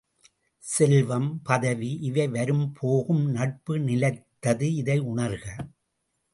செல்வம், பதவி இவை வரும் போகும் நட்பு நிலைத்தது இதை உணர்க.